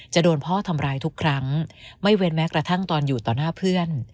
โดนพ่อทำร้ายทุกครั้งไม่เว้นแม้กระทั่งตอนอยู่ต่อหน้าเพื่อน